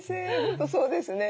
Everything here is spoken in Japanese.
本当そうですね。